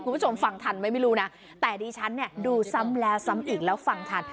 คุณผู้ชมฟังทันไหมไม่รู้นะแต่ดิฉันเนี่ยดูซ้ำแล้วซ้ำอีกแล้วฟังทัน